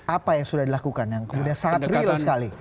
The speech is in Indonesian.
apa yang sudah dilakukan yang kemudian sangat real sekali